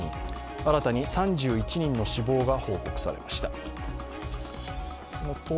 新たに３１人の死亡が報告されました。